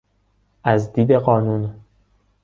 از دید قانون